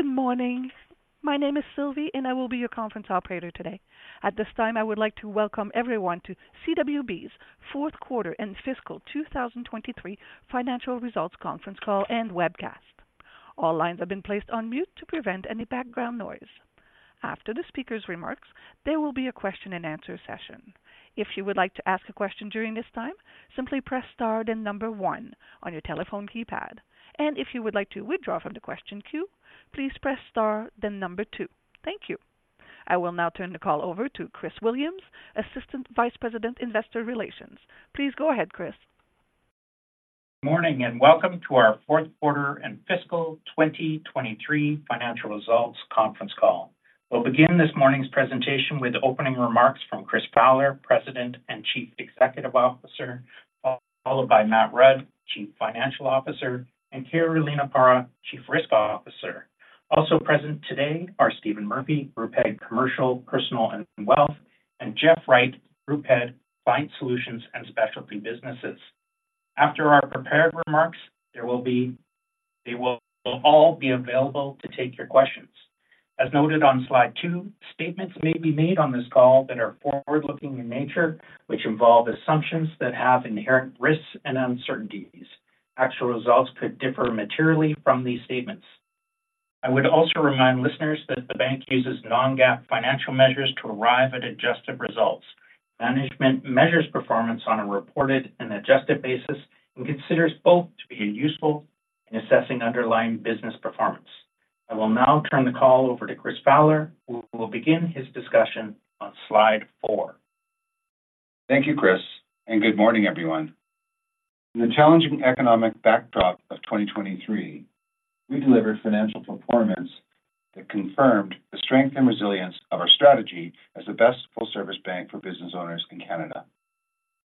Good morning. My name is Sylvie, and I will be your conference operator today. At this time, I would like to welcome everyone to CWB's fourth quarter and fiscal 2023 financial results conference call and webcast. All lines have been placed on mute to prevent any background noise. After the speaker's remarks, there will be a question and answer session. If you would like to ask a question during this time, simply press Star, then number one on your telephone keypad. If you would like to withdraw from the question queue, please press Star then number two. Thank you. I will now turn the call over to Chris Williams, Assistant Vice President, Investor Relations. Please go ahead, Chris. Morning, and welcome to our fourth quarter and fiscal 2023 financial results conference call. We'll begin this morning's presentation with opening remarks from Chris Fowler, President and Chief Executive Officer, followed by Matt Rudd, Chief Financial Officer, and Carolina Parra, Chief Risk Officer. Also present today are Stephen Murphy, Group Head, Commercial, Personal, and Wealth, and Jeff Wright, Group Head, Client Solutions and Specialty Businesses. After our prepared remarks, they will all be available to take your questions. As noted on slide two, statements may be made on this call that are forward-looking in nature, which involve assumptions that have inherent risks and uncertainties. Actual results could differ materially from these statements. I would also remind listeners that the bank uses non-GAAP financial measures to arrive at adjusted results. Management measures performance on a reported and adjusted basis and considers both to be useful in assessing underlying business performance. I will now turn the call over to Chris Fowler, who will begin his discussion on slide four. Thank you, Chris, and good morning, everyone. In the challenging economic backdrop of 2023, we delivered financial performance that confirmed the strength and resilience of our strategy as the best full-service bank for business owners in Canada.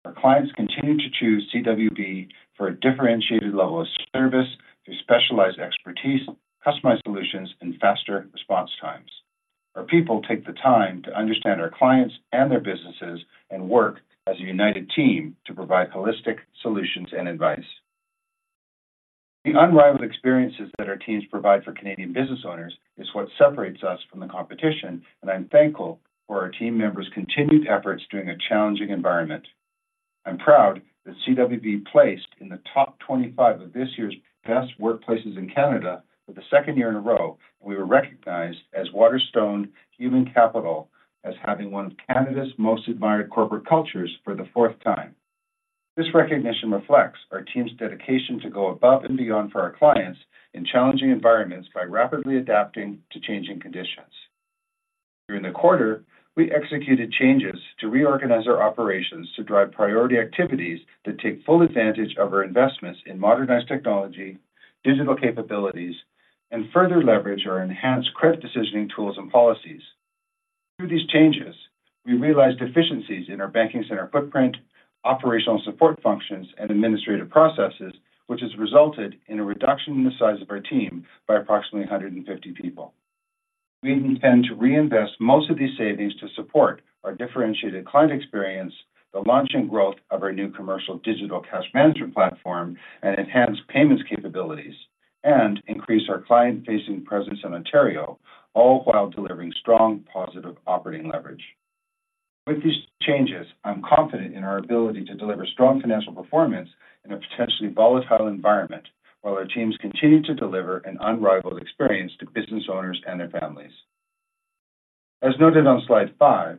Our clients continue to choose CWB for a differentiated level of service through specialized expertise, customized solutions, and faster response times. Our people take the time to understand our clients and their businesses and work as a united team to provide holistic solutions and advice. The unrivaled experiences that our teams provide for Canadian business owners is what separates us from the competition, and I'm thankful for our team members' continued efforts during a challenging environment. I'm proud that CWB placed in the top 25 of this year's best workplaces in Canada for the 2nd year in a row, and we were recognized as Waterstone Human Capital as having one of Canada's most admired corporate cultures for the 4th time. This recognition reflects our team's dedication to go above and beyond for our clients in challenging environments by rapidly adapting to changing conditions. During the quarter, we executed changes to reorganize our operations to drive priority activities that take full advantage of our investments in modernized technology, digital capabilities, and further leverage our enhanced credit decisioning tools and policies. Through these changes, we realized efficiencies in our banking center footprint, operational support functions, and administrative processes, which has resulted in a reduction in the size of our team by approximately 150 people. We intend to reinvest most of these savings to support our differentiated client experience, the launch and growth of our new commercial digital cash management platform and enhanced payments capabilities, and increase our client-facing presence in Ontario, all while delivering strong, positive operating leverage. With these changes, I'm confident in our ability to deliver strong financial performance in a potentially volatile environment, while our teams continue to deliver an unrivaled experience to business owners and their families. As noted on slide five,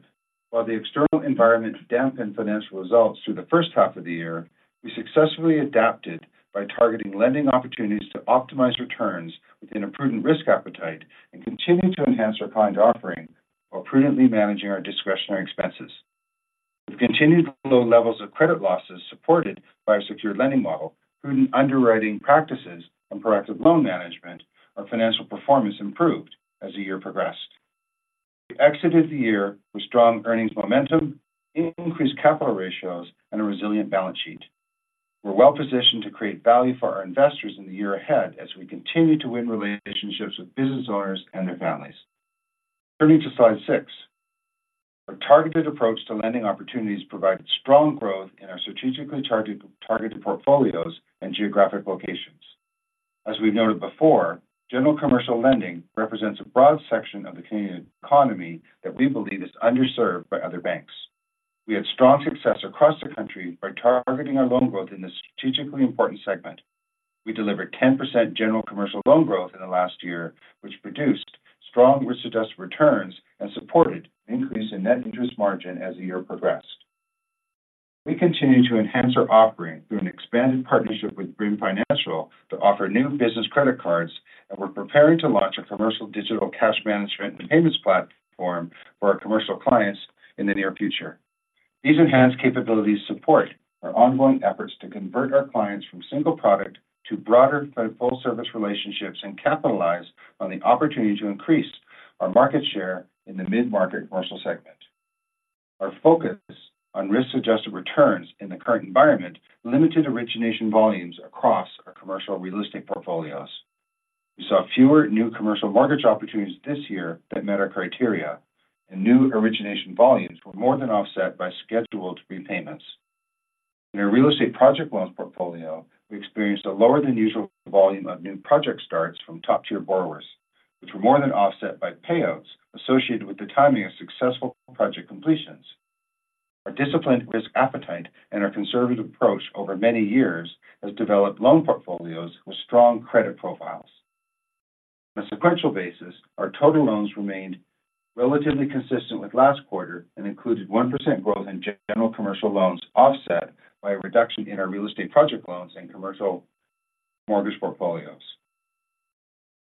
while the external environment dampened financial results through the first half of the year, we successfully adapted by targeting lending opportunities to optimize returns within a prudent risk appetite and continuing to enhance our client offering while prudently managing our discretionary expenses. With continued low levels of credit losses supported by our secured lending model, prudent underwriting practices, and proactive loan management, our financial performance improved as the year progressed. We exited the year with strong earnings momentum, increased capital ratios, and a resilient balance sheet. We're well-positioned to create value for our investors in the year ahead as we continue to win relationships with business owners and their families. Turning to slide six. Our targeted approach to lending opportunities provided strong growth in our strategically targeted, targeted portfolios and geographic locations. As we've noted before, general commercial lending represents a broad section of the Canadian economy that we believe is underserved by other banks. We had strong success across the country by targeting our loan growth in this strategically important segment. We delivered 10% general commercial loan growth in the last year, which produced strong risk-adjusted returns and supported an increase in net interest margin as the year progressed. We continue to enhance our offering through an expanded partnership with Brim Financial to offer new business credit cards, and we're preparing to launch a commercial digital cash management and payments platform for our commercial clients in the near future. These enhanced capabilities support our ongoing efforts to convert our clients from single product to broader full service relationships and capitalize on the opportunity to increase our market share in the mid-market commercial segment. Our focus on risk-adjusted returns in the current environment limited origination volumes across our commercial real estate portfolios. We saw fewer new commercial mortgage opportunities this year that met our criteria, and new origination volumes were more than offset by scheduled repayments.... In our real estate project loans portfolio, we experienced a lower than usual volume of new project starts from top-tier borrowers, which were more than offset by payouts associated with the timing of successful project completions. Our disciplined risk appetite and our conservative approach over many years has developed loan portfolios with strong credit profiles. On a sequential basis, our total loans remained relatively consistent with last quarter and included 1% growth in general commercial loans, offset by a reduction in our real estate project loans and commercial mortgage portfolios.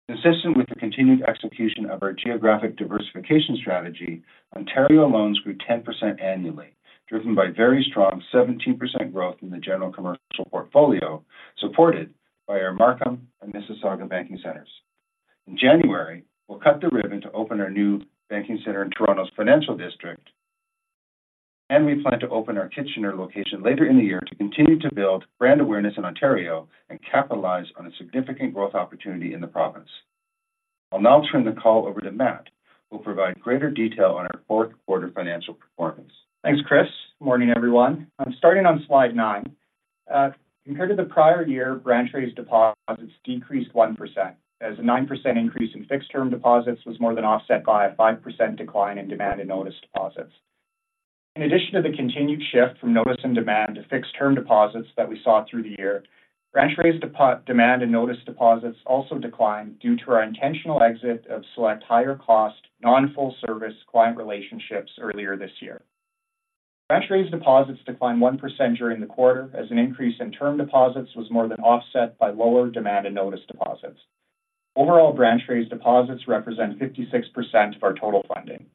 Consistent with the continued execution of our geographic diversification strategy, Ontario loans grew 10% annually, driven by very strong 17% growth in the general commercial portfolio, supported by our Markham and Mississauga banking centers. In January, we'll cut the ribbon to open our new banking center in Toronto's financial district, and we plan to open our Kitchener location later in the year to continue to build brand awareness in Ontario and capitalize on a significant growth opportunity in the province. I'll now turn the call over to Matt, who will provide greater detail on our fourth quarter financial performance. Thanks, Chris. Morning, everyone. I'm starting on slide 9. Compared to the prior year, branch raised deposits decreased 1%, as a 9% increase in fixed-term deposits was more than offset by a 5% decline in demand and notice deposits. In addition to the continued shift from notice and demand to fixed-term deposits that we saw through the year, branch raised demand and notice deposits also declined due to our intentional exit of select higher cost, non-full service client relationships earlier this year. Branch raised deposits declined 1% during the quarter, as an increase in term deposits was more than offset by lower demand and notice deposits. Overall, branch raised deposits represent 56% of our total funding.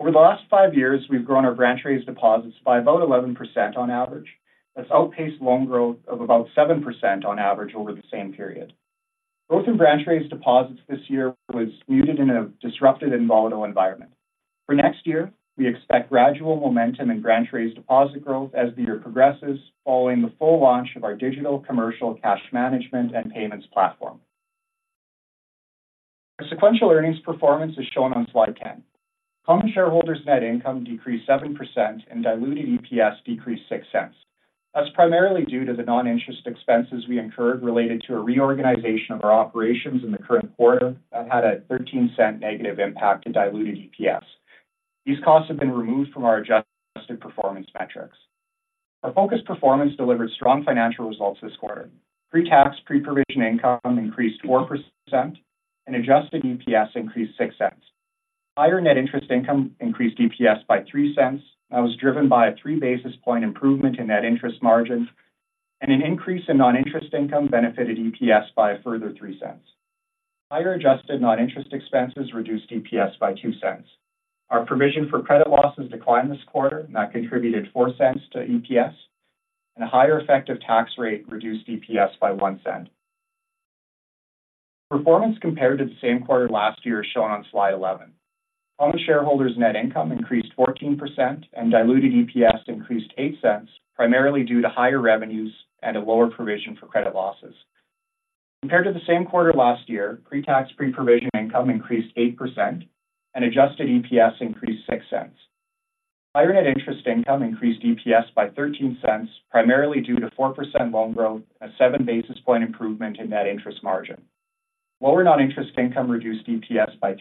Over the last 5 years, we've grown our branch raised deposits by about 11% on average. That's outpaced loan growth of about 7% on average over the same period. Growth in branch raised deposits this year was muted in a disrupted and volatile environment. For next year, we expect gradual momentum in branch raised deposit growth as the year progresses, following the full launch of our digital commercial cash management and payments platform. Our sequential earnings performance is shown on Slide 10. Common shareholders' net income decreased 7% and diluted EPS decreased 0.06. That's primarily due to the non-interest expenses we incurred related to a reorganization of our operations in the current quarter that had a 0.13 negative impact to diluted EPS. These costs have been removed from our adjusted performance metrics. Our focused performance delivered strong financial results this quarter. Pre-tax, pre-provision income increased 4%, and adjusted EPS increased 0.06. Higher net interest income increased EPS by 0.03. That was driven by a three basis point improvement in net interest margin, and an increase in non-interest income benefited EPS by a further three cents. Higher adjusted non-interest expenses reduced EPS by two cents. Our provision for credit losses declined this quarter, and that contributed four cents to EPS, and a higher effective tax rate reduced EPS by one cent. Performance compared to the same quarter last year is shown on Slide 11. Common shareholders' net income increased 14% and diluted EPS increased eight cents, primarily due to higher revenues and a lower provision for credit losses. Compared to the same quarter last year, pre-tax, pre-provision income increased 8% and adjusted EPS increased six cents. Higher net interest income increased EPS by 13 cents, primarily due to 4% loan growth and a seven basis point improvement in net interest margin. Lower non-interest income reduced EPS by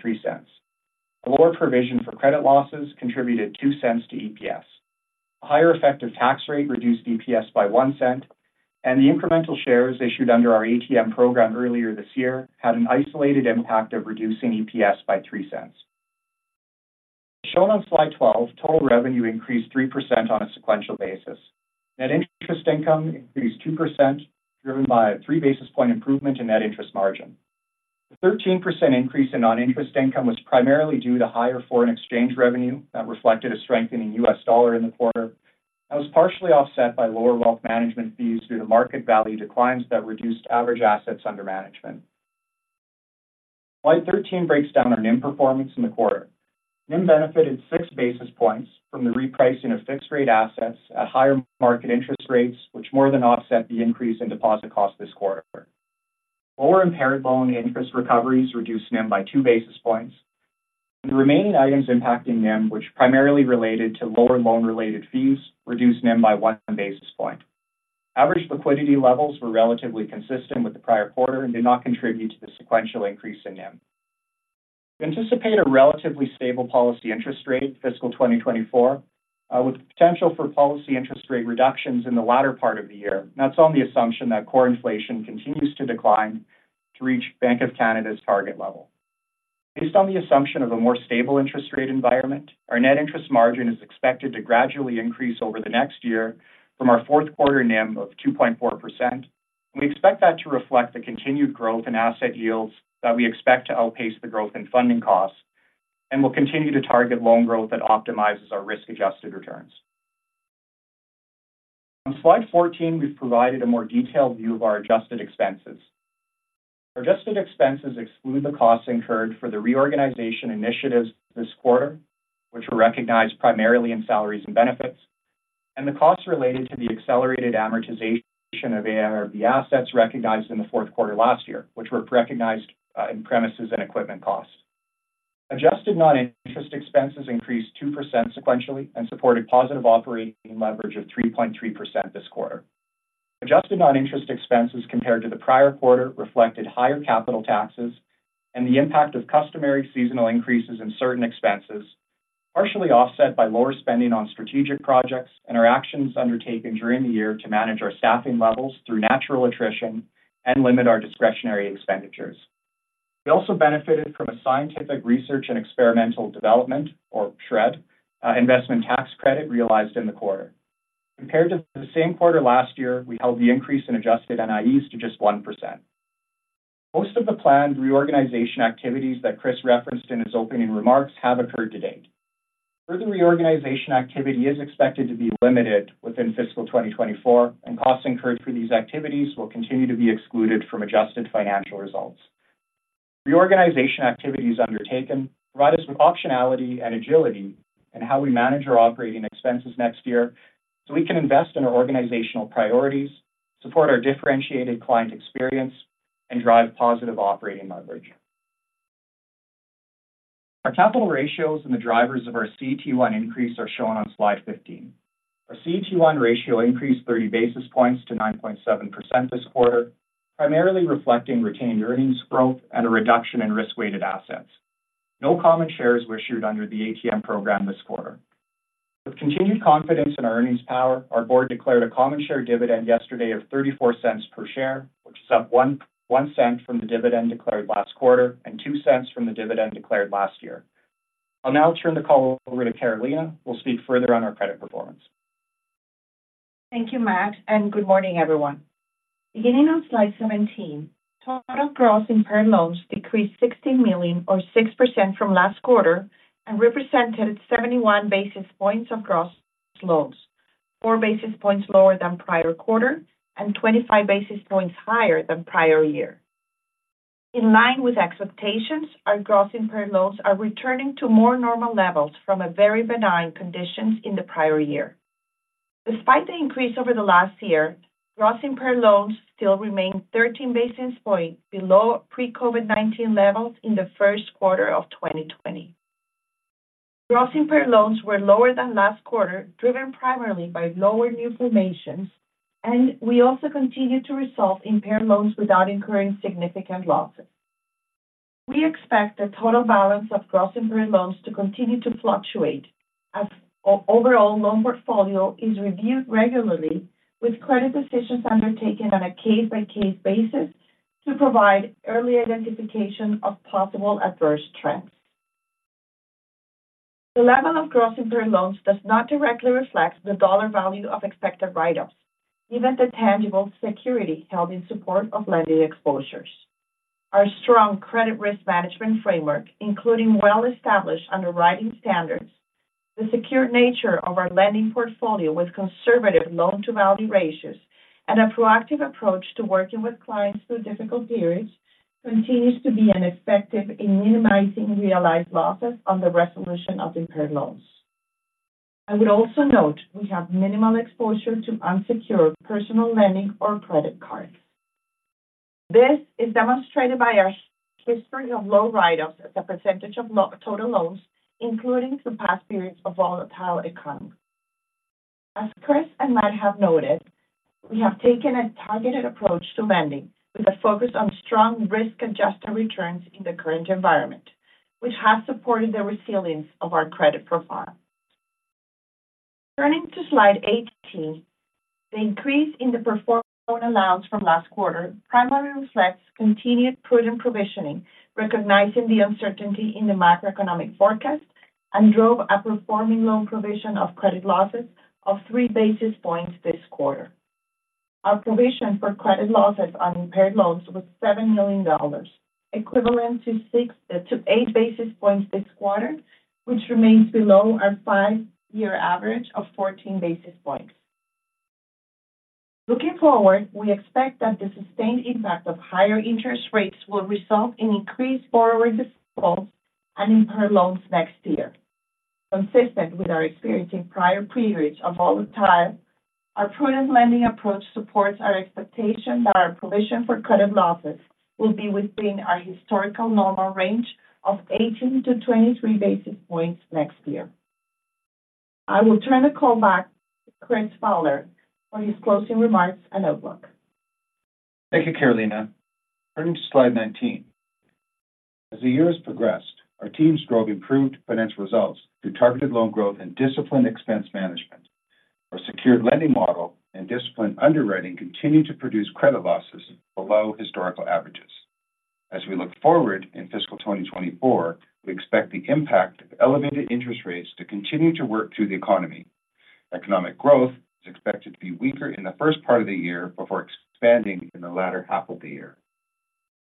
$0.03. A lower provision for credit losses contributed $0.02 to EPS. A higher effective tax rate reduced EPS by $0.01, and the incremental shares issued under our ATM program earlier this year had an isolated impact of reducing EPS by $0.03. As shown on Slide 12, total revenue increased 3% on a sequential basis. Net interest income increased 2%, driven by a three basis point improvement in net interest margin. The 13% increase in non-interest income was primarily due to higher foreign exchange revenue that reflected a strengthening US dollar in the quarter, and was partially offset by lower wealth management fees due to market value declines that reduced average assets under management. Slide 13 breaks down our NIM performance in the quarter. NIM benefited six basis points from the repricing of fixed-rate assets at higher market interest rates, which more than offset the increase in deposit costs this quarter. Lower impaired loan interest recoveries reduced NIM by two basis points. The remaining items impacting NIM, which primarily related to lower loan-related fees, reduced NIM by one basis point. Average liquidity levels were relatively consistent with the prior quarter and did not contribute to the sequential increase in NIM. We anticipate a relatively stable policy interest rate fiscal 2024, with the potential for policy interest rate reductions in the latter part of the year. That's on the assumption that core inflation continues to decline to reach Bank of Canada's target level. Based on the assumption of a more stable interest rate environment, our net interest margin is expected to gradually increase over the next year from our fourth quarter NIM of 2.4%. We expect that to reflect the continued growth in asset yields that we expect to outpace the growth in funding costs, and we'll continue to target loan growth that optimizes our risk-adjusted returns. On Slide 14, we've provided a more detailed view of our adjusted expenses. Our adjusted expenses exclude the costs incurred for the reorganization initiatives this quarter, which were recognized primarily in salaries and benefits, and the costs related to the accelerated amortization of AIRB assets recognized in the fourth quarter last year, which were recognized in premises and equipment costs. Adjusted non-interest expenses increased 2% sequentially and supported positive operating leverage of 3.3% this quarter. Adjusted non-interest expenses compared to the prior quarter reflected higher capital taxes and the impact of customary seasonal increases in certain expenses, partially offset by lower spending on strategic projects and our actions undertaken during the year to manage our staffing levels through natural attrition and limit our discretionary expenditures. We also benefited from a scientific research and experimental development, or SR&ED, investment tax credit realized in the quarter. Compared to the same quarter last year, we held the increase in adjusted NIEs to just 1%. Most of the planned reorganization activities that Chris referenced in his opening remarks have occurred to date. Further reorganization activity is expected to be limited within fiscal 2024, and costs incurred through these activities will continue to be excluded from adjusted financial results. Reorganization activities undertaken provide us with optionality and agility in how we manage our operating expenses next year, so we can invest in our organizational priorities, support our differentiated client experience, and drive positive operating leverage. Our capital ratios and the drivers of our CET1 increase are shown on slide 15. Our CET1 ratio increased 30 basis points to 9.7% this quarter, primarily reflecting retained earnings growth and a reduction in risk-weighted assets. No common shares were issued under the ATM program this quarter. With continued confidence in our earnings power, our board declared a common share dividend yesterday of 0.34 per share, which is up 0.01 from the dividend declared last quarter and 0.02 from the dividend declared last year. I'll now turn the call over to Carolina, who will speak further on our credit performance. Thank you, Matt, and good morning, everyone. Beginning on slide 17, total gross impaired loans decreased 16 million or 6% from last quarter and represented 71 basis points of gross loans, 4 basis points lower than prior quarter and 25 basis points higher than prior year. In line with expectations, our gross impaired loans are returning to more normal levels from a very benign conditions in the prior year. Despite the increase over the last year, gross impaired loans still remain 13 basis points below pre-COVID-19 levels in the first quarter of 2020. Gross impaired loans were lower than last quarter, driven primarily by lower new formations, and we also continued to resolve impaired loans without incurring significant losses. We expect the total balance of gross impaired loans to continue to fluctuate as our overall loan portfolio is reviewed regularly, with credit decisions undertaken on a case-by-case basis to provide early identification of possible adverse trends. The level of gross impaired loans does not directly reflect the dollar value of expected write-offs, given the tangible security held in support of lending exposures. Our strong credit risk management framework, including well-established underwriting standards, the secure nature of our lending portfolio with conservative loan-to-value ratios, and a proactive approach to working with clients through difficult periods, continues to be an effective in minimizing realized losses on the resolution of impaired loans. I would also note we have minimal exposure to unsecured personal lending or credit card. This is demonstrated by our history of low write-offs as a percentage of total loans, including some past periods of volatile economy. As Chris and Matt have noted, we have taken a targeted approach to lending, with a focus on strong risk-adjusted returns in the current environment, which has supported the resilience of our credit profile. Turning to slide 18, the increase in the performing loan allowance from last quarter primarily reflects continued prudent provisioning, recognizing the uncertainty in the macroeconomic forecast, and drove a performing loan provision for credit losses of 3 basis points this quarter. Our provision for credit losses on impaired loans was 7 million dollars, equivalent to 6-8 basis points this quarter, which remains below our five-year average of 14 basis points. Looking forward, we expect that the sustained impact of higher interest rates will result in increased borrower defaults and impaired loans next year. Consistent with our experience in prior periods of all time, our prudent lending approach supports our expectation that our provision for credit losses will be within our historical normal range of 18-23 basis points next year. I will turn the call back to Chris Fowler for his closing remarks and outlook. Thank you, Carolina. Turning to slide 19. As the year has progressed, our teams drove improved financial results through targeted loan growth and disciplined expense management. Our secured lending model and disciplined underwriting continued to produce credit losses below historical averages. As we look forward in fiscal 2024, we expect the impact of elevated interest rates to continue to work through the economy. Economic growth is expected to be weaker in the first part of the year before expanding in the latter half of the year.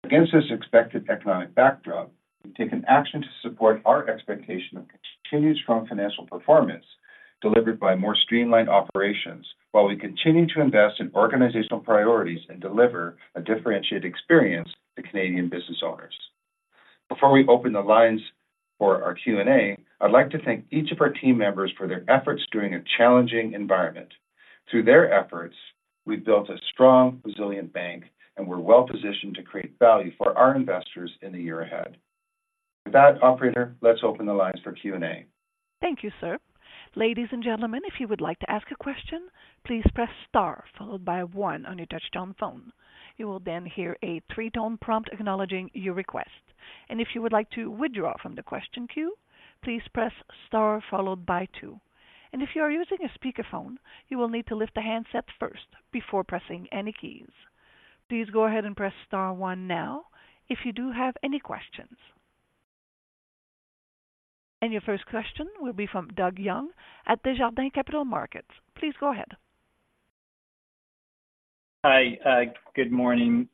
Against this expected economic backdrop, we've taken action to support our expectation of continued strong financial performance, delivered by more streamlined operations, while we continue to invest in organizational priorities and deliver a differentiated experience to Canadian business owners. Before we open the lines for our Q&A, I'd like to thank each of our team members for their efforts during a challenging environment... Through their efforts, we've built a strong, resilient bank, and we're well positioned to create value for our investors in the year ahead. With that, operator, let's open the lines for Q&A. Thank you, sir. Ladies and gentlemen, if you would like to ask a question, please press star followed by one on your touch-tone phone. You will then hear a three-tone prompt acknowledging your request. If you would like to withdraw from the question queue, please press star followed by two. If you are using a speakerphone, you will need to lift the handset first before pressing any keys. Please go ahead and press star one now if you do have any questions. Your first question will be from Doug Young at Desjardins Capital Markets. Please go ahead. Hi, good morning.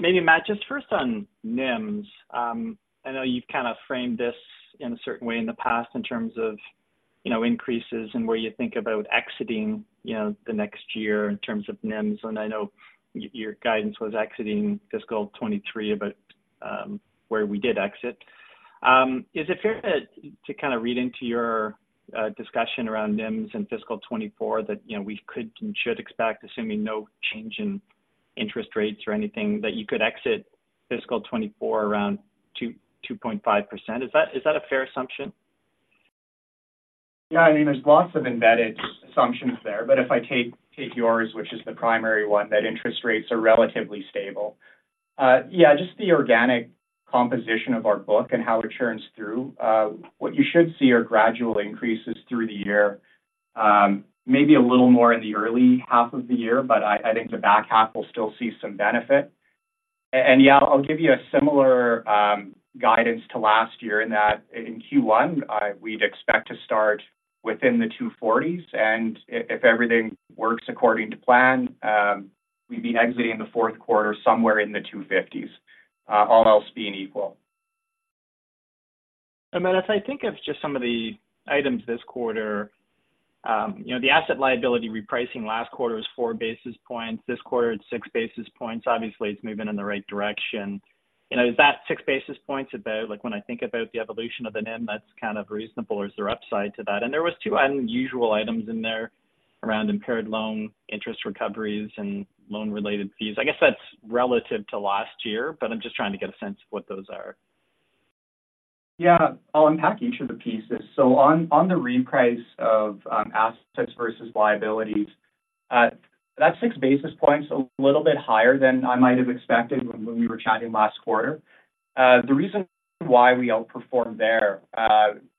Maybe, Matt, just first on NIMS. I know you've kind of framed this in a certain way in the past in terms of, you know, increases and where you think about exiting, you know, the next year in terms of NIMS. And I know your guidance was exiting fiscal 2023, about, where we did exit. Is it fair to kind of read into your discussion around NIMS in fiscal 2024, that, you know, we could and should expect, assuming no change in interest rates or anything, that you could exit fiscal 2024 around 2-2.5%? Is that a fair assumption? Yeah, I mean, there's lots of embedded assumptions there. But if I take yours, which is the primary one, that interest rates are relatively stable. Yeah, just the organic composition of our book and how it churns through. What you should see are gradual increases through the year, maybe a little more in the early half of the year, but I think the back half will still see some benefit. And, yeah, I'll give you a similar guidance to last year in that in Q1, we'd expect to start within the 240s, and if everything works according to plan, we'd be exiting the fourth quarter somewhere in the 250s, all else being equal. And, Matt, as I think of just some of the items this quarter, you know, the asset liability repricing last quarter was four basis points. This quarter, it's six basis points. Obviously, it's moving in the right direction. You know, is that six basis points about like, when I think about the evolution of the NIM, that's kind of reasonable, or is there upside to that? And there was two unusual items in there around impaired loan, interest recoveries, and loan-related fees. I guess that's relative to last year, but I'm just trying to get a sense of what those are. Yeah. I'll unpack each of the pieces. So on the reprice of assets versus liabilities, that's 6 basis points, a little bit higher than I might have expected when we were chatting last quarter. The reason why we outperformed there,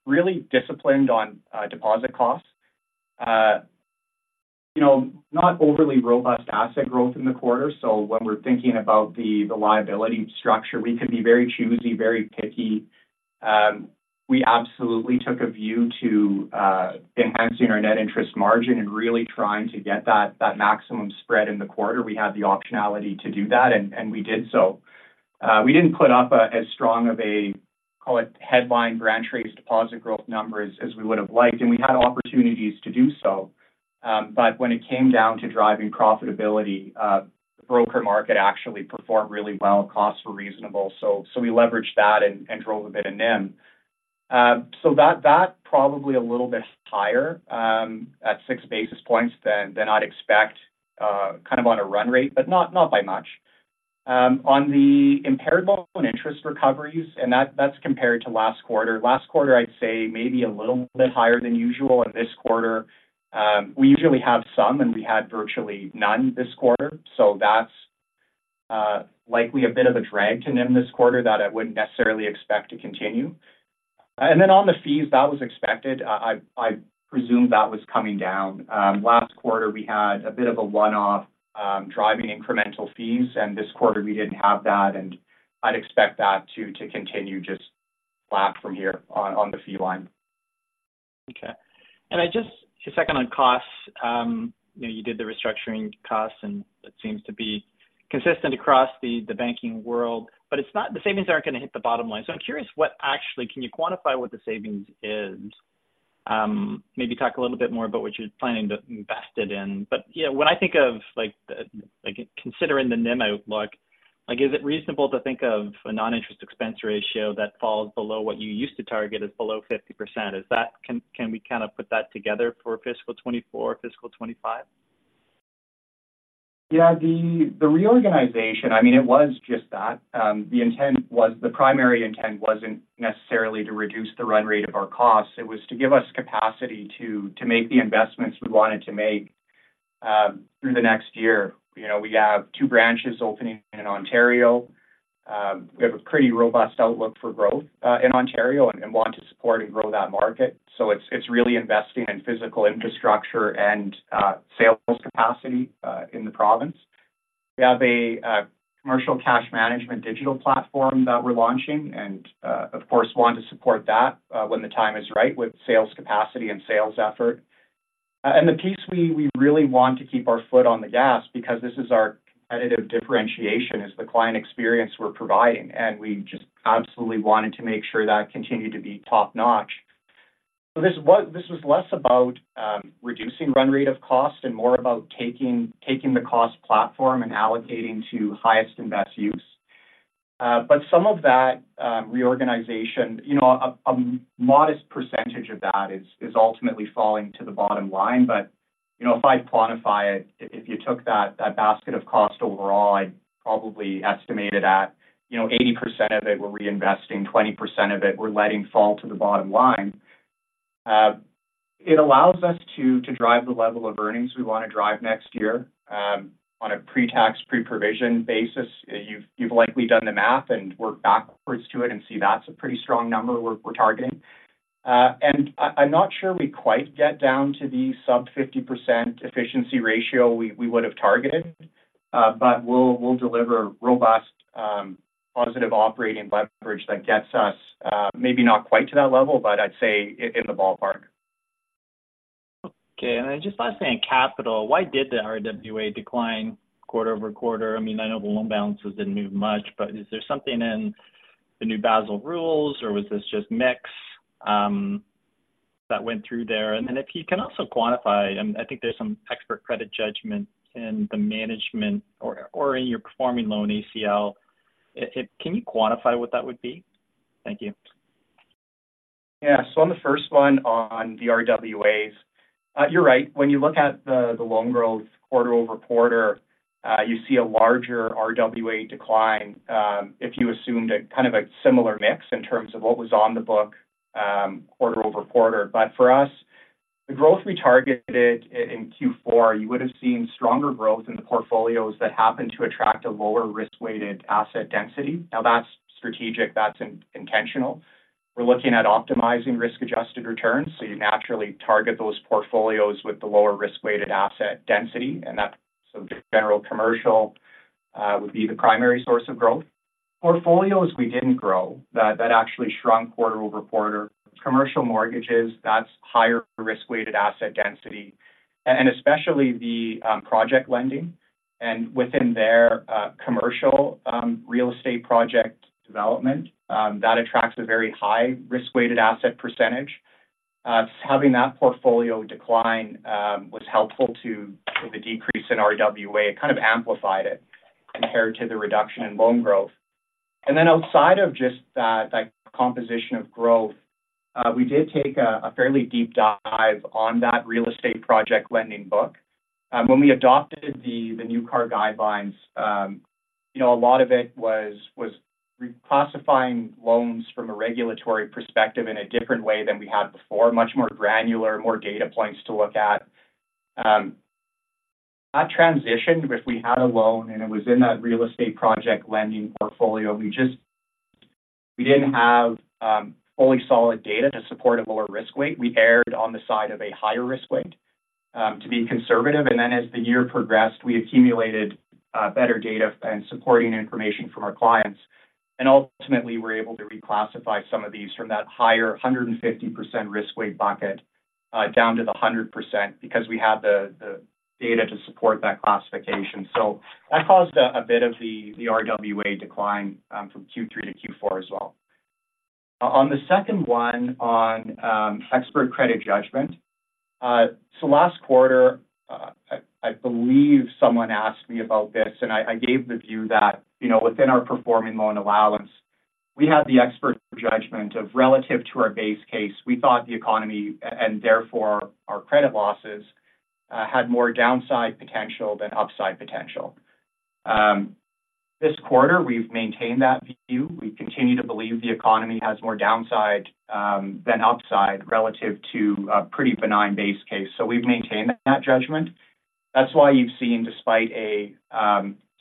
really disciplined on deposit costs. You know, not overly robust asset growth in the quarter, so when we're thinking about the liability structure, we could be very choosy, very picky. We absolutely took a view to enhancing our net interest margin and really trying to get that maximum spread in the quarter. We had the optionality to do that, and we did so. We didn't put up as strong of a, call it, headline branch raised deposit growth numbers as we would have liked, and we had opportunities to do so. But when it came down to driving profitability, the broker market actually performed really well. Costs were reasonable, so we leveraged that and drove a bit of NIM. So that probably a little bit higher at six basis points than I'd expect kind of on a run rate, but not by much. On the impaired loan interest recoveries, and that's compared to last quarter. Last quarter, I'd say maybe a little bit higher than usual, and this quarter, we usually have some, and we had virtually none this quarter, so that's likely a bit of a drag to NIM this quarter that I wouldn't necessarily expect to continue. And then on the fees, that was expected. I presumed that was coming down. Last quarter, we had a bit of a one-off driving incremental fees, and this quarter we didn't have that, and I'd expect that to continue just flat from here on the fee line. Okay. Just a second on costs. You know, you did the restructuring costs, and it seems to be consistent across the banking world, but the savings aren't going to hit the bottom line. So I'm curious, what actually can you quantify what the savings is? Maybe talk a little bit more about what you're planning to invest it in. But yeah, when I think of like considering the NIM outlook, like is it reasonable to think of a non-interest expense ratio that falls below what you used to target as below 50%? Can we kind of put that together for fiscal 2024, fiscal 2025? Yeah, the reorganization, I mean, it was just that. The intent was, the primary intent wasn't necessarily to reduce the run rate of our costs. It was to give us capacity to make the investments we wanted to make, through the next year. You know, we have two branches opening in Ontario. We have a pretty robust outlook for growth, in Ontario and want to support and grow that market. So it's really investing in physical infrastructure and sales capacity, in the province. We have a commercial cash management digital platform that we're launching and, of course, want to support that, when the time is right, with sales capacity and sales effort. And the piece we really want to keep our foot on the gas because this is our competitive differentiation, is the client experience we're providing, and we just absolutely wanted to make sure that continued to be top-notch. So this was less about reducing run rate of cost and more about taking the cost platform and allocating to highest and best use. But some of that reorganization, you know, a modest percentage of that is ultimately falling to the bottom line. But, you know, if I quantify it, if you took that basket of cost overall, I'd probably estimate it at, you know, 80% of it we're reinvesting, 20% of it we're letting fall to the bottom line. It allows us to, to drive the level of earnings we want to drive next year, on a pre-tax, pre-provision basis. You've, you've likely done the math and worked backwards to it and see that's a pretty strong number we're, we're targeting. And I, I'm not sure we quite get down to the sub-50% efficiency ratio we, we would have targeted. But we'll, we'll deliver robust, positive operating leverage that gets us, maybe not quite to that level, but I'd say in the ballpark. Okay. And then just last thing on capital, why did the RWA decline quarter-over-quarter? I mean, I know the loan balances didn't move much, but is there something in the new Basel rules, or was this just mix that went through there? And then if you can also quantify, I think there's some expert credit judgment in the management or in your performing loan ACL. Can you quantify what that would be? Thank you. Yeah. So on the first one, on the RWAs, you're right. When you look at the loan growth quarter-over-quarter, you see a larger RWA decline, if you assumed a kind of a similar mix in terms of what was on the book, quarter-over-quarter. But for us, the growth we targeted in Q4, you would have seen stronger growth in the portfolios that happened to attract a lower risk-weighted asset density. Now, that's strategic, that's intentional. We're looking at optimizing risk-adjusted returns, so you naturally target those portfolios with the lower risk-weighted asset density, and that's general commercial would be the primary source of growth. Portfolios we didn't grow, that actually shrunk quarter-over-quarter, commercial mortgages, that's higher risk-weighted asset density, and especially the project lending. Within there, commercial real estate project development that attracts a very high risk-weighted asset percentage. Having that portfolio decline was helpful to the decrease in RWA. It kind of amplified it compared to the reduction in loan growth. Then outside of just that, that composition of growth, we did take a fairly deep dive on that real estate project lending book. When we adopted the new CAR guidelines, you know, a lot of it was reclassifying loans from a regulatory perspective in a different way than we had before. Much more granular, more data points to look at. That transition, if we had a loan and it was in that real estate project lending portfolio, we just—we didn't have fully solid data to support a lower risk weight. We erred on the side of a higher risk weight, to be conservative, and then as the year progressed, we accumulated better data and supporting information from our clients. Ultimately, we're able to reclassify some of these from that higher 150% risk weight bucket down to the 100%, because we had the data to support that classification. That caused a bit of the RWA decline from Q3 to Q4 as well. On the second one, on expert credit judgment. Last quarter, I believe someone asked me about this, and I gave the view that, you know, within our performing loan allowance, we had the expert judgment of relative to our base case. We thought the economy, and therefore our credit losses, had more downside potential than upside potential. This quarter, we've maintained that view. We continue to believe the economy has more downside than upside relative to a pretty benign base case. So we've maintained that judgment. That's why you've seen, despite a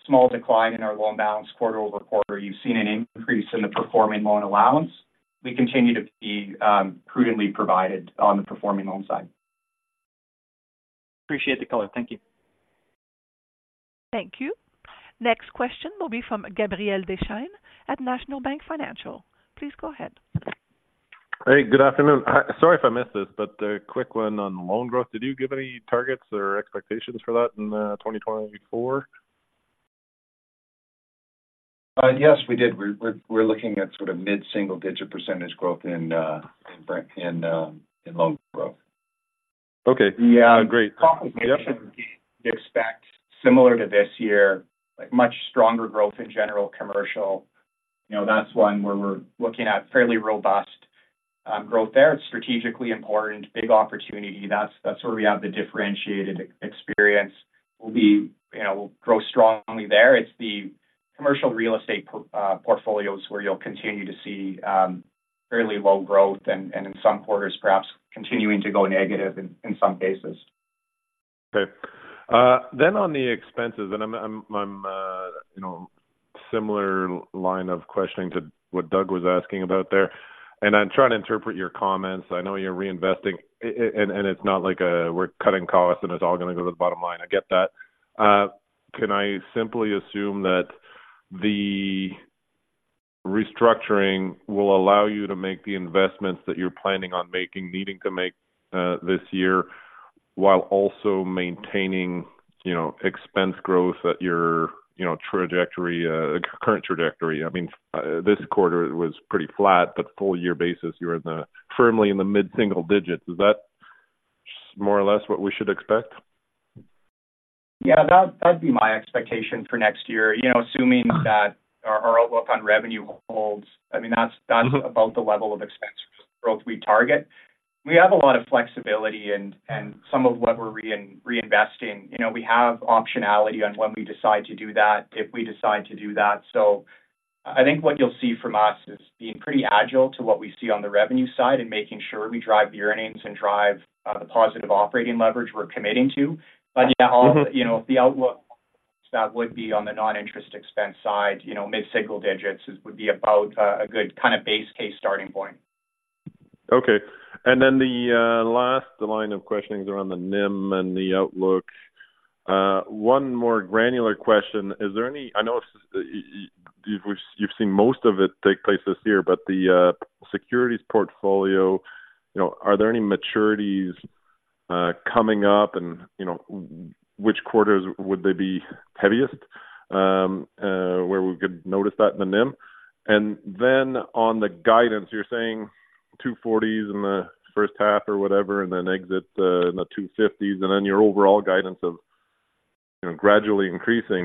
small decline in our loan balance quarter-over-quarter, you've seen an increase in the performing loan allowance. We continue to be prudently provided on the performing loan side. Appreciate the color. Thank you. Thank you. Next question will be from Gabriel Dechaine at National Bank Financial. Please go ahead. Hey, good afternoon. Sorry if I missed this, but a quick one on loan growth. Did you give any targets or expectations for that in 2024? Yes, we did. We're looking at sort of mid-single-digit % growth in loan growth. Okay, great. Yeah. Expect similar to this year, like, much stronger growth in general commercial. You know, that's one where we're looking at fairly robust growth there. It's strategically important, big opportunity. That's, that's where we have the differentiated experience. You know, we'll grow strongly there. It's the commercial real estate portfolios where you'll continue to see fairly low growth and in some quarters, perhaps continuing to go negative in some cases. Okay. Then on the expenses, and I'm you know, similar line of questioning to what Doug was asking about there, and I'm trying to interpret your comments. I know you're reinvesting, and it's not like, we're cutting costs and it's all going to go to the bottom line. I get that. Can I simply assume that the restructuring will allow you to make the investments that you're planning on making, needing to make, this year, while also maintaining, you know, expense growth at your, you know, trajectory, current trajectory? I mean, this quarter was pretty flat, but full year basis, you were firmly in the mid-single digits. Is that more or less what we should expect? ... Yeah, that'd be my expectation for next year. You know, assuming that our outlook on revenue holds, I mean, that's about the level of expense growth we target. We have a lot of flexibility and some of what we're reinvesting. You know, we have optionality on when we decide to do that, if we decide to do that. So I think what you'll see from us is being pretty agile to what we see on the revenue side and making sure we drive earnings and drive the positive operating leverage we're committing to. But yeah, you know, the outlook, that would be on the non-interest expense side, you know, mid-single digits would be about a good kind of base case starting point. Okay. And then the last line of questioning is around the NIM and the outlook. One more granular question: is there any-- I know you've seen most of it take place this year, but the securities portfolio, you know, are there any maturities coming up? And, you know, which quarters would they be heaviest where we could notice that in the NIM? And then on the guidance, you're saying 2.40s in the first half or whatever, and then exit in the 2.50s, and then your overall guidance of, you know, gradually increasing.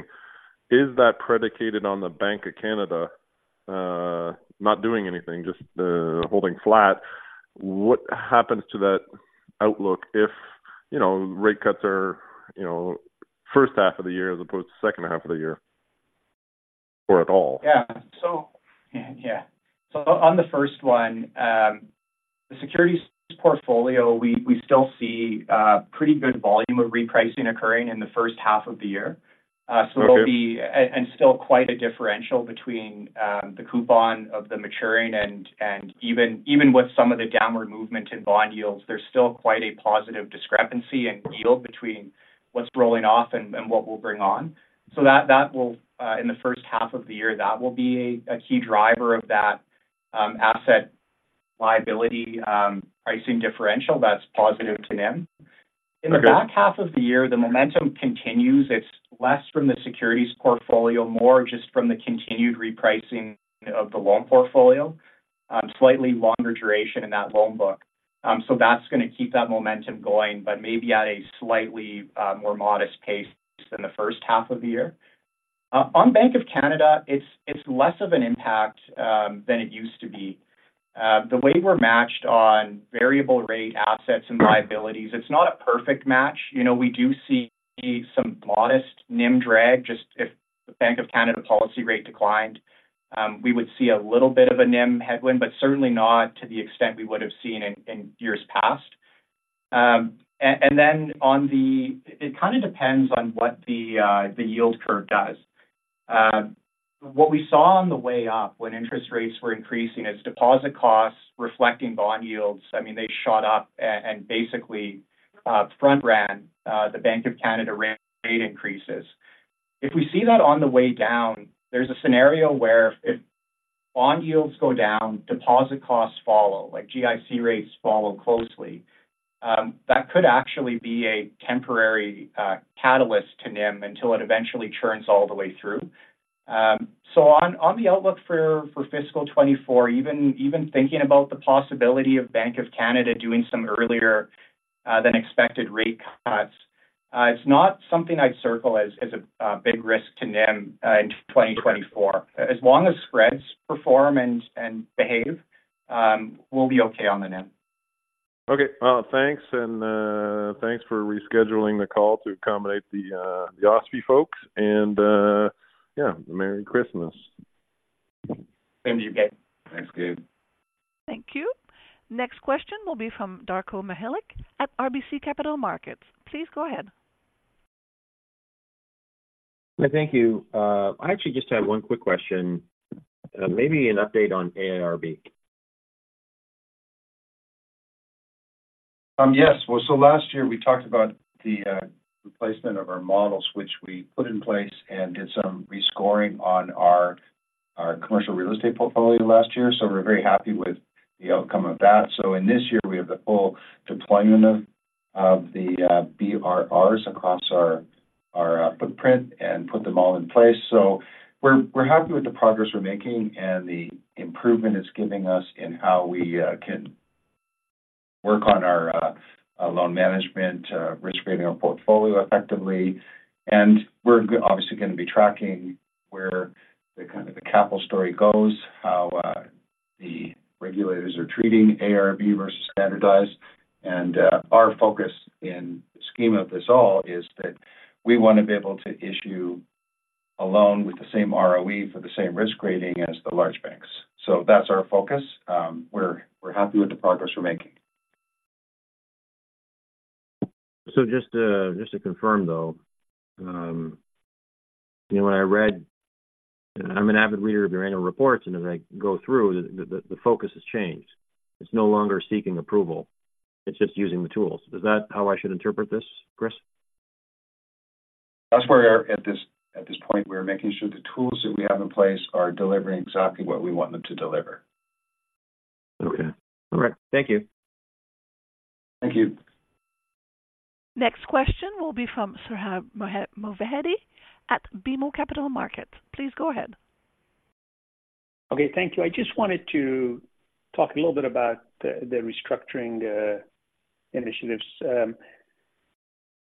Is that predicated on the Bank of Canada not doing anything, just holding flat? What happens to that outlook if, you know, rate cuts are, you know, first half of the year as opposed to second half of the year, or at all? Yeah. So, yeah. So on the first one, the securities portfolio, we, we still see, pretty good volume of repricing occurring in the first half of the year. Okay. So there'll be, and still quite a differential between the coupon of the maturing and even with some of the downward movement in bond yields, there's still quite a positive discrepancy in yield between what's rolling off and what we'll bring on. So that will, in the first half of the year, that will be a key driver of that asset liability pricing differential that's positive to NIM. Okay. In the back half of the year, the momentum continues. It's less from the securities portfolio, more just from the continued repricing of the loan portfolio, slightly longer duration in that loan book. So that's going to keep that momentum going, but maybe at a slightly more modest pace than the first half of the year. On Bank of Canada, it's less of an impact than it used to be. The way we're matched on variable rate assets and liabilities, it's not a perfect match. You know, we do see some modest NIM drag, just if the Bank of Canada policy rate declined, we would see a little bit of a NIM headwind, but certainly not to the extent we would have seen in years past. And then on the... It kind of depends on what the yield curve does. What we saw on the way up when interest rates were increasing is deposit costs reflecting bond yields. I mean, they shot up and basically front ran the Bank of Canada rate increases. If we see that on the way down, there's a scenario where if bond yields go down, deposit costs follow, like GIC rates follow closely. That could actually be a temporary catalyst to NIM until it eventually churns all the way through. So on the outlook for fiscal 2024, even thinking about the possibility of Bank of Canada doing some earlier than expected rate cuts, it's not something I'd circle as a big risk to NIM in 2024. As long as spreads perform and behave, we'll be okay on the NIM. Okay. Well, thanks, and thanks for rescheduling the call to accommodate the OSFI folks. And yeah, Merry Christmas. Same to you, Gabe. Thanks, Gabe. Thank you. Next question will be from Darko Mihelic at RBC Capital Markets. Please go ahead. Thank you. I actually just had one quick question, maybe an update on AIRB. Yes. Well, so last year we talked about the replacement of our models, which we put in place and did some rescoring on our commercial real estate portfolio last year, so we're very happy with the outcome of that. So in this year, we have the full deployment of the BRRs across our footprint and put them all in place. So we're happy with the progress we're making and the improvement it's giving us in how we can work on our loan management risk rating our portfolio effectively. And we're obviously going to be tracking where the kind of the capital story goes, how the regulators are treating AIRB versus standardized. Our focus in the scheme of this all is that we want to be able to issue a loan with the same ROE for the same risk rating as the large banks. That's our focus. We're happy with the progress we're making. So just to, just to confirm, though, you know, when I read... I'm an avid reader of your annual reports, and as I go through, the focus has changed. It's no longer seeking approval, it's just using the tools. Is that how I should interpret this, Chris? That's where we are at this point. We are making sure the tools that we have in place are delivering exactly what we want them to deliver. Okay. All right. Thank you. Thank you. Next question will be from Sohrab Movahedi at BMO Capital Markets. Please go ahead.... Okay, thank you. I just wanted to talk a little bit about the restructuring initiatives.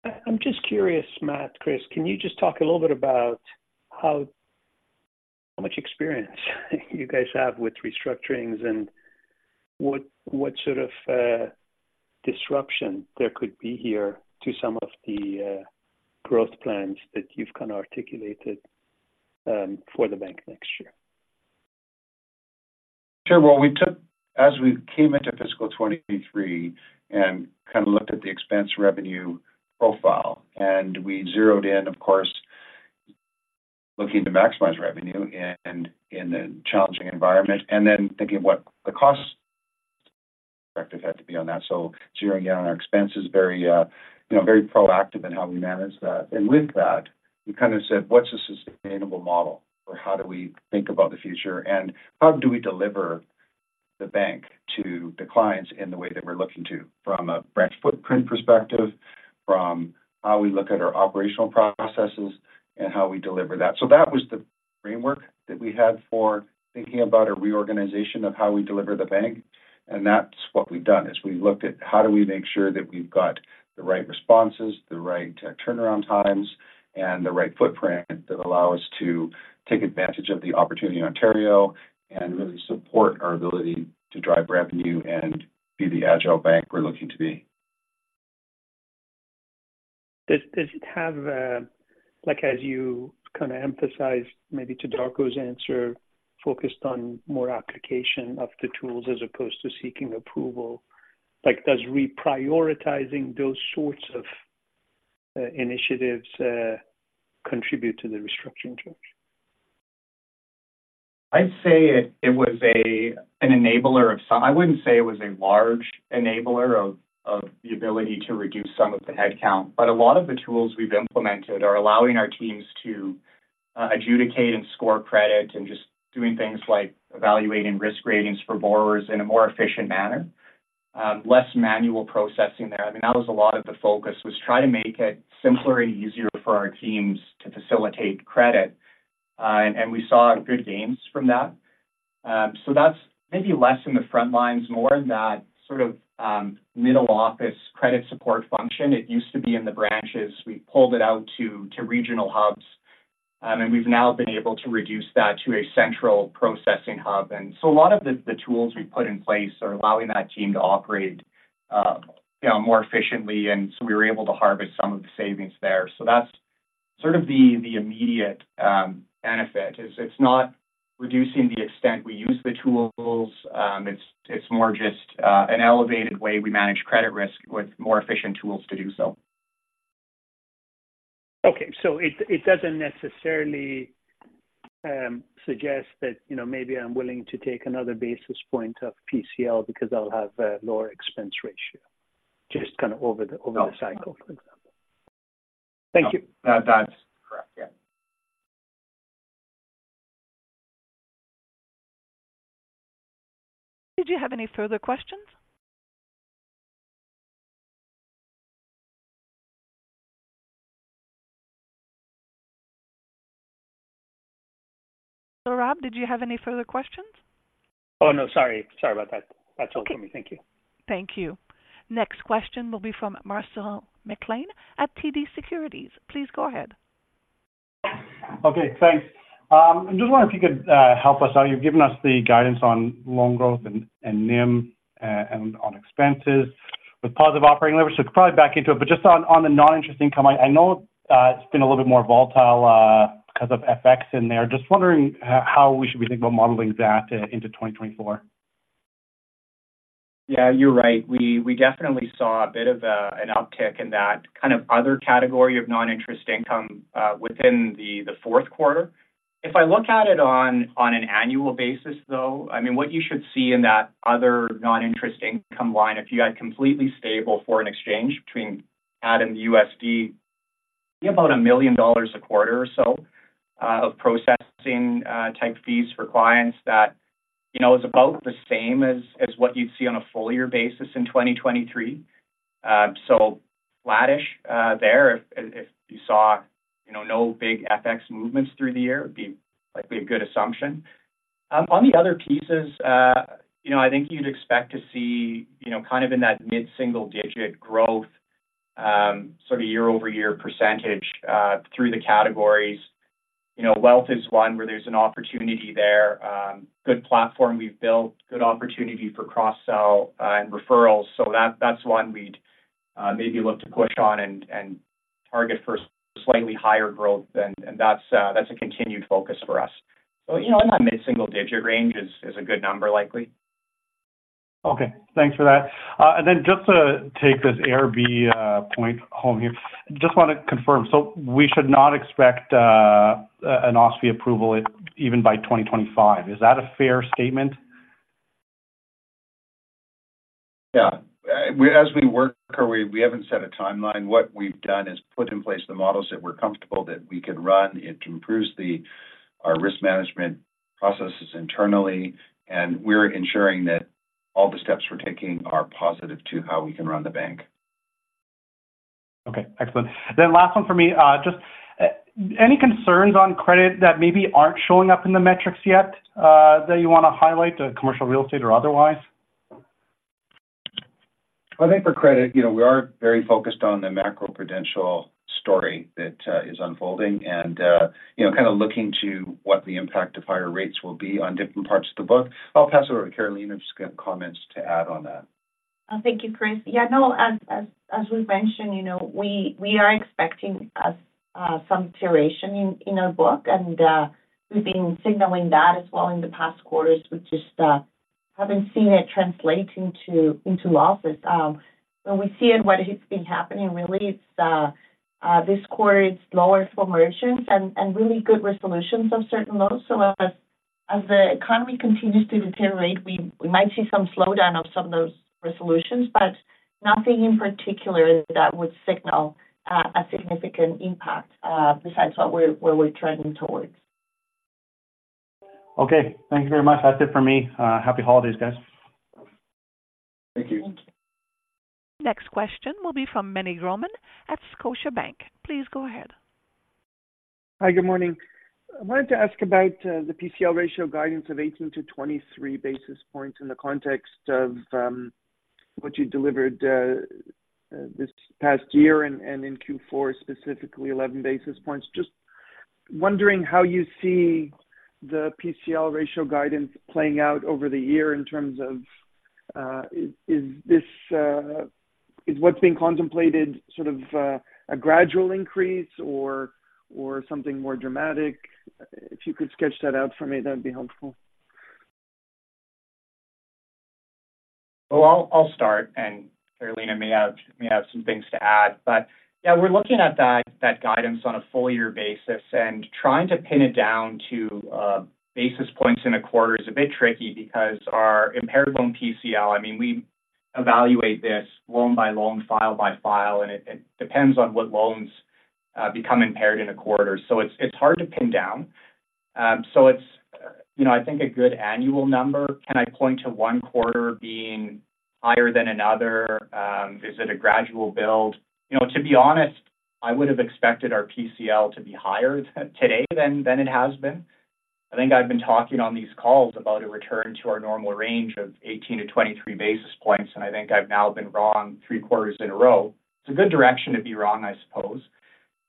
I'm just curious, Matt, Chris. Can you just talk a little bit about how much experience you guys have with restructurings and what sort of disruption there could be here to some of the growth plans that you've kind of articulated for the bank next year? Sure. Well, we took as we came into fiscal 2023 and kind of looked at the expense revenue profile, and we zeroed in, of course, looking to maximize revenue and in a challenging environment, and then thinking what the cost directive had to be on that. So zeroing in on our expenses, very, you know, very proactive in how we manage that. And with that, we kind of said, "What's a sustainable model for how do we think about the future, and how do we deliver the bank to the clients in the way that we're looking to, from a branch footprint perspective, from how we look at our operational processes and how we deliver that?" So that was the framework that we had for thinking about a reorganization of how we deliver the bank, and that's what we've done. As we've looked at how do we make sure that we've got the right responses, the right turnaround times, and the right footprint that allow us to take advantage of the opportunity in Ontario and really support our ability to drive revenue and be the agile bank we're looking to be. Does it have a, like, as you kind of emphasized, maybe to Darko's answer, focused on more application of the tools as opposed to seeking approval, like, does reprioritizing those sorts of initiatives contribute to the restructuring charge? I'd say it was an enabler of some. I wouldn't say it was a large enabler of the ability to reduce some of the headcount, but a lot of the tools we've implemented are allowing our teams to adjudicate and score credit and just doing things like evaluating risk ratings for borrowers in a more efficient manner. Less manual processing there. I mean, that was a lot of the focus, was try to make it simpler and easier for our teams to facilitate credit. And we saw good gains from that. So that's maybe less in the front lines, more in that sort of middle office credit support function. It used to be in the branches. We pulled it out to regional hubs, and we've now been able to reduce that to a central processing hub. A lot of the tools we've put in place are allowing that team to operate, you know, more efficiently, and so we were able to harvest some of the savings there. That's sort of the immediate benefit. It's not reducing the extent we use the tools, it's more just an elevated way we manage credit risk with more efficient tools to do so. Okay. So it, it doesn't necessarily suggest that, you know, maybe I'm willing to take another basis point of PCL because I'll have a lower expense ratio, just kind of over the- No. Over the cycle, for example. Thank you. No, that's correct. Yeah. Did you have any further questions? Rob, did you have any further questions? Oh, no, sorry. Sorry about that. That's all for me. Thank you. Thank you. Next question will be from Marcel McLean at TD Securities. Please go ahead. Okay, thanks. I'm just wondering if you could help us out. You've given us the guidance on loan growth and NIM, and on expenses with positive operating leverage. So probably back into it, but just on the non-interest income, I know it's been a little bit more volatile because of FX in there. Just wondering how we should be thinking about modeling that into 2024. Yeah, you're right. We, we definitely saw a bit of, an uptick in that kind of other category of non-interest income, within the, the fourth quarter. If I look at it on, on an annual basis, though, I mean, what you should see in that other non-interest income line, if you had completely stable foreign exchange between CAD and the USD, be about 1 million dollars a quarter or so, of processing, type fees for clients that, you know, is about the same as, as what you'd see on a full year basis in 2023. So flattish, there, if, if you saw, you know, no big FX movements through the year, would be likely a good assumption. On the other pieces, you know, I think you'd expect to see, you know, kind of in that mid-single-digit growth, sort of year-over-year percentage, through the categories. You know, wealth is one where there's an opportunity there. Good platform we've built, good opportunity for cross-sell, and referrals. So that, that's one we'd, maybe look to push on and target for slightly higher growth, and that's a continued focus for us. So, you know, in that mid-single-digit range is a good number, likely. Okay, thanks for that. Then just to take this AIRB point home here, just want to confirm. So we should not expect an OSFI approval even by 2025. Is that a fair statement? Yeah. As we work our way, we haven't set a timeline. What we've done is put in place the models that we're comfortable that we can run. It improves our risk management processes internally, and we're ensuring that all the steps we're taking are positive to how we can run the bank.... Okay, excellent. Then last one for me, just any concerns on credit that maybe aren't showing up in the metrics yet, that you want to highlight, commercial real estate or otherwise? I think for credit, you know, we are very focused on the macroprudential story that is unfolding and, you know, kind of looking to what the impact of higher rates will be on different parts of the book. I'll pass it over to Carolina if she's got comments to add on that. Thank you, Chris. Yeah, no, as we've mentioned, you know, we are expecting some deterioration in our book, and we've been signaling that as well in the past quarters. We just haven't seen it translate into losses. When we see it, what has been happening really is this quarter, it's lower formations and really good resolutions of certain loans. So as the economy continues to deteriorate, we might see some slowdown of some of those resolutions, but nothing in particular that would signal a significant impact, besides where we're trending towards. Okay. Thank you very much. That's it for me. Happy holidays, guys. Thank you. Thank you. Next question will be from Meny Grauman at Scotiabank. Please go ahead. Hi, good morning. I wanted to ask about the PCL ratio guidance of 18-23 basis points in the context of what you delivered this past year and in Q4, specifically 11 basis points. Just wondering how you see the PCL ratio guidance playing out over the year in terms of is this what's being contemplated sort of a gradual increase or something more dramatic? If you could sketch that out for me, that'd be helpful. Well, I'll, I'll start, and Carolina may have, may have some things to add. But, yeah, we're looking at that, that guidance on a full year basis and trying to pin it down to basis points in a quarter is a bit tricky because our impaired loan PCL, I mean, we evaluate this loan by loan, file by file, and it, it depends on what loans become impaired in a quarter. So it's, it's hard to pin down. So it's, you know, I think, a good annual number. Can I point to one quarter being higher than another? Is it a gradual build? You know, to be honest, I would have expected our PCL to be higher today than, than it has been. I think I've been talking on these calls about a return to our normal range of 18-23 basis points, and I think I've now been wrong three quarters in a row. It's a good direction to be wrong, I suppose.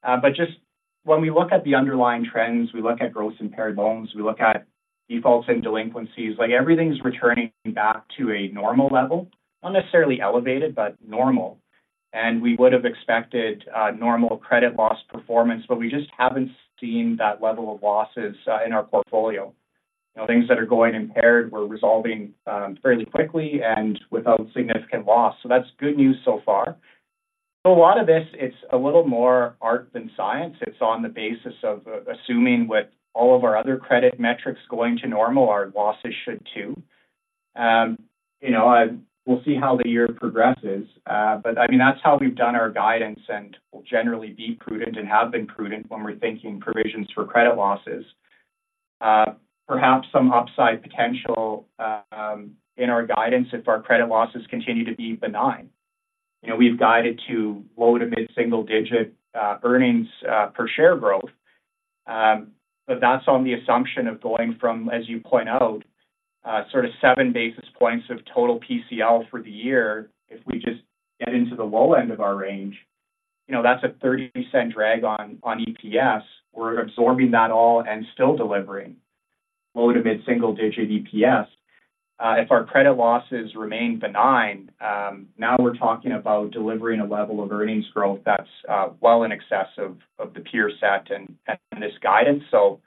But just when we look at the underlying trends, we look at gross impaired loans, we look at defaults and delinquencies, like, everything's returning back to a normal level. Not necessarily elevated, but normal. And we would have expected a normal credit loss performance, but we just haven't seen that level of losses in our portfolio. You know, things that are going impaired, we're resolving fairly quickly and without significant loss. So that's good news so far. So a lot of this, it's a little more art than science. It's on the basis of assuming with all of our other credit metrics going to normal, our losses should too. You know, we'll see how the year progresses. But I mean, that's how we've done our guidance, and we'll generally be prudent and have been prudent when we're thinking provisions for credit losses. Perhaps some upside potential in our guidance if our credit losses continue to be benign. You know, we've guided to low- to mid-single-digit earnings per share growth. But that's on the assumption of going from, as you point out, sort of seven basis points of total PCL for the year. If we just get into the low end of our range, you know, that's a 0.30 drag on EPS. We're absorbing that all and still delivering low- to mid-single-digit EPS. If our credit losses remain benign, now we're talking about delivering a level of earnings growth that's well in excess of the peer set and this guidance. So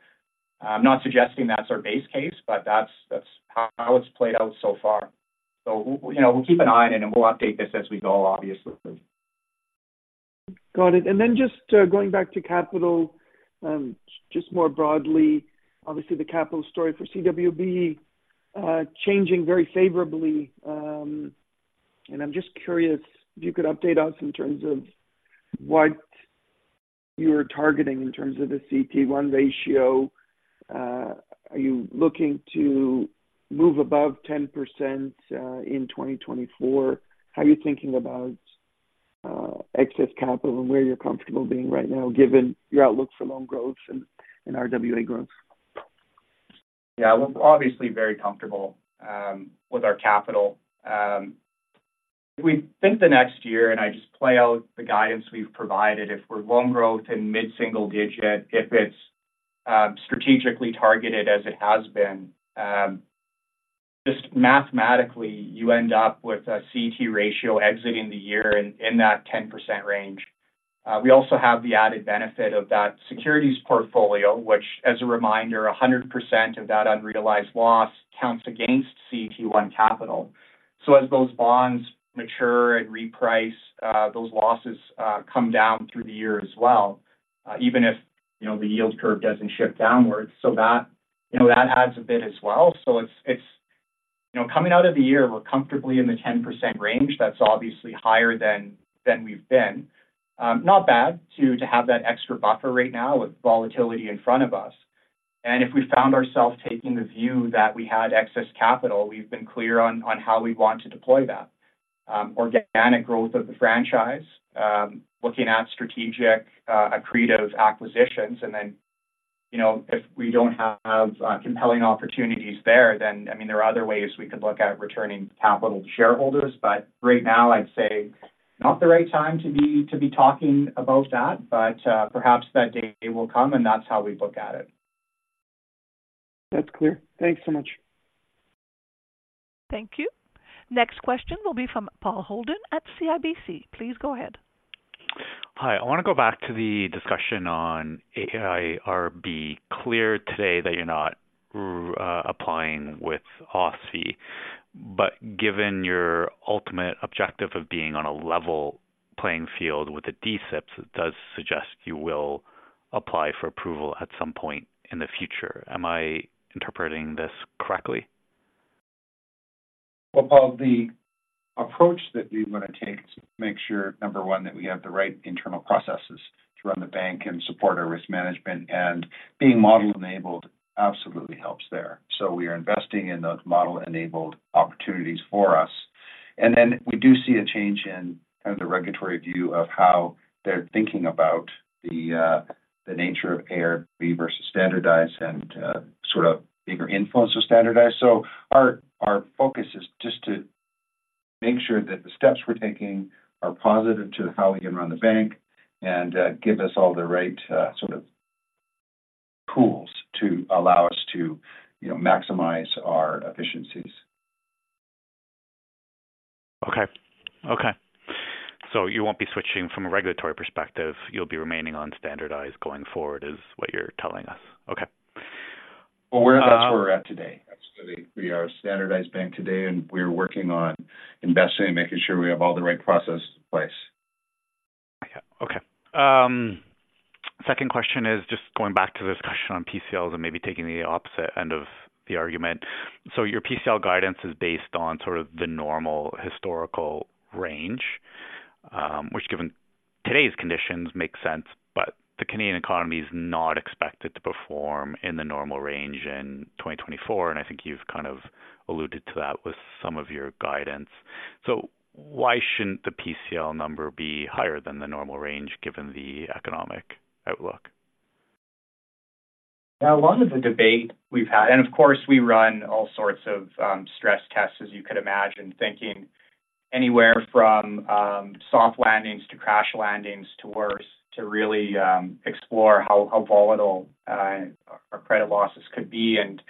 I'm not suggesting that's our base case, but that's how it's played out so far. So, we, you know, we'll keep an eye on it, and we'll update this as we go, obviously. Got it. And then just, going back to capital, just more broadly. Obviously, the capital story for CWB, changing very favorably. And I'm just curious if you could update us in terms of what you're targeting in terms of the CET1 ratio. Are you looking to move above 10%, in 2024? How are you thinking about excess capital and where you're comfortable being right now, given your outlook for loan growth and RWA growth? Yeah, we're obviously very comfortable with our capital. We think the next year, and I just play out the guidance we've provided, if we're loan growth in mid-single digit, if it's strategically targeted as it has been, just mathematically, you end up with a CET1 ratio exiting the year in that 10% range. We also have the added benefit of that securities portfolio, which as a reminder, 100% of that unrealized loss counts against CET1 capital. So as those bonds mature and reprice, those losses come down through the year as well. Even if, you know, the yield curve doesn't shift downwards. So that, you know, that adds a bit as well. So it's... You know, coming out of the year, we're comfortably in the 10% range. That's obviously higher than we've been. Not bad to have that extra buffer right now with volatility in front of us. And if we found ourselves taking the view that we had excess capital, we've been clear on how we want to deploy that. Organic growth of the franchise, looking at strategic, accretive acquisitions. And then, you know, if we don't have compelling opportunities there, then, I mean, there are other ways we could look at returning capital to shareholders. But right now, I'd say not the right time to be talking about that, but perhaps that day will come, and that's how we look at it. That's clear. Thanks so much. Thank you. Next question will be from Paul Holden at CIBC. Please go ahead. Hi. I want to go back to the discussion on AIRB. Clear today that you're not applying with OSFI, but given your ultimate objective of being on a level playing field with the D-SIBs it does suggest you will apply for approval at some point in the future. Am I interpreting this correctly? Well, Paul, the approach that we want to take is to make sure, number one, that we have the right internal processes to run the bank and support our risk management, and being model-enabled absolutely helps there. So we are investing in those model-enabled opportunities for us. And then we do see a change in kind of the regulatory view of how they're thinking about the nature of AIRB versus standardized and sort of bigger influence of standardized. So our focus is just to make sure that the steps we're taking are positive to how we can run the bank and give us all the right sort of tools to allow us to, you know, maximize our efficiencies. Okay. Okay. So you won't be switching from a regulatory perspective, you'll be remaining on standardized going forward, is what you're telling us? Okay. Well, that's where we're at today. Absolutely. We are a standardized bank today, and we are working on investing and making sure we have all the right processes in place. Yeah. Okay. Second question is just going back to the discussion on PCLs and maybe taking the opposite end of the argument. So your PCL guidance is based on sort of the normal historical range, which, given today's conditions, makes sense, but the Canadian economy is not expected to perform in the normal range in 2024, and I think you've kind of alluded to that with some of your guidance. So why shouldn't the PCL number be higher than the normal range given the economic outlook? Now, a lot of the debate we've had, and of course, we run all sorts of stress tests, as you could imagine, thinking anywhere from soft landings to crash landings to worse, to really explore how volatile our credit losses could be. And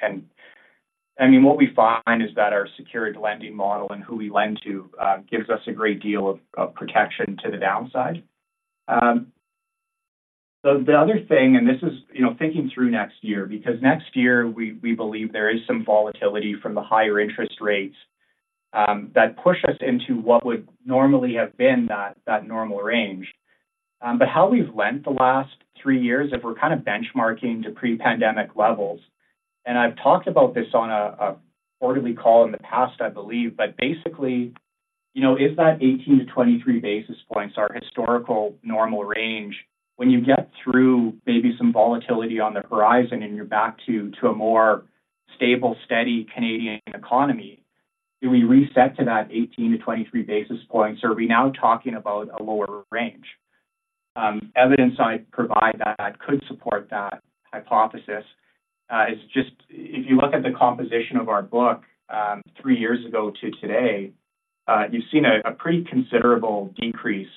I mean, what we find is that our secured lending model and who we lend to gives us a great deal of protection to the downside. So the other thing, and this is, you know, thinking through next year, because next year we believe there is some volatility from the higher interest rates that push us into what would normally have been that normal range. But how we've lent the last three years, if we're kind of benchmarking to pre-pandemic levels, and I've talked about this on a quarterly call in the past, I believe. But basically, you know, if that 18-23 basis points are historical normal range, when you get through maybe some volatility on the horizon and you're back to a more stable, steady Canadian economy, do we reset to that 18-23 basis points, or are we now talking about a lower range? Evidence I provide that could support that hypothesis is just if you look at the composition of our book, three years ago to today, you've seen a pretty considerable decrease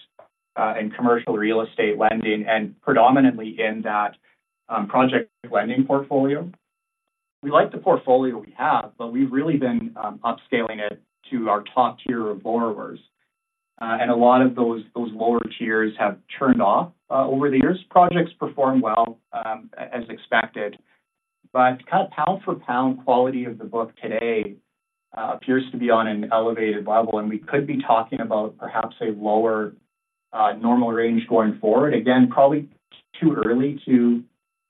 in commercial real estate lending and predominantly in that project lending portfolio. We like the portfolio we have, but we've really been upscaling it to our top tier of borrowers. And a lot of those lower tiers have turned off over the years. Projects performed well as expected, but kind of pound for pound quality of the book today appears to be on an elevated level, and we could be talking about perhaps a lower normal range going forward. Again, probably too early to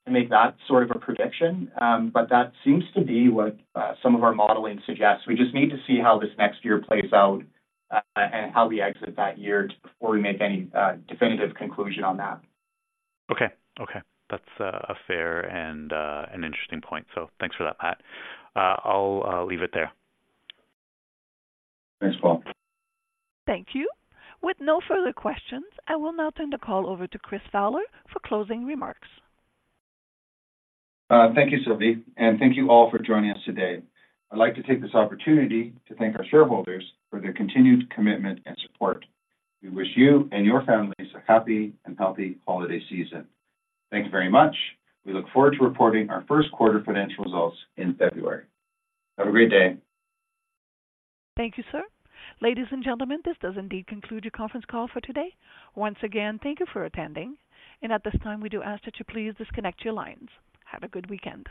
make that sort of a prediction, but that seems to be what some of our modeling suggests. We just need to see how this next year plays out and how we exit that year before we make any definitive conclusion on that. Okay. Okay, that's a fair and an interesting point, so thanks for that, Pat. I'll leave it there. Thanks, Paul. Thank you. With no further questions, I will now turn the call over to Chris Fowler for closing remarks. Thank you, Sylvie, and thank you all for joining us today. I'd like to take this opportunity to thank our shareholders for their continued commitment and support. We wish you and your families a happy and healthy holiday season. Thank you very much. We look forward to reporting our first quarter financial results in February. Have a great day. Thank you, sir. Ladies and gentlemen, this does indeed conclude your conference call for today. Once again, thank you for attending, and at this time, we do ask that you please disconnect your lines. Have a good weekend.